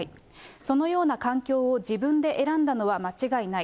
そのような環境を自分で選んだのは間違いない。